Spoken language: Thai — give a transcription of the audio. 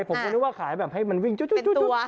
ผมก็นึกว่าขายแบบให้มันวิ่งจูดตัว